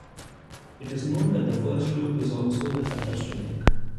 It is known that the first loop is also the toughest to make.